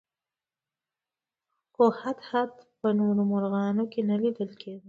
خو هدهد په نورو مرغانو کې نه لیدل کېده.